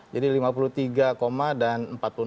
jadi lima puluh tiga dan empat puluh enam